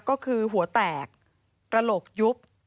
ก็คือหัวแตกกระโหลกยุบ